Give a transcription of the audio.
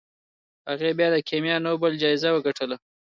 هغې بیا د کیمیا نوبل جایزه وګټله.